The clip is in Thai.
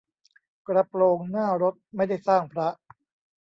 กระโปรงหน้ารถไม่ได้สร้างพระ